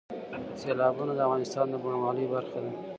سیلابونه د افغانستان د بڼوالۍ برخه ده.